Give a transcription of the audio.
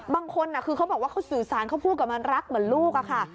บางคนคือเขาบอกว่าเขาสื่อสารเขาพูดกับมันรักเหมือนลูกอะค่ะ